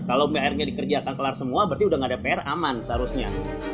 kalau pr nya dikerjakan kelar semua berarti udah gak ada pr aman seharusnya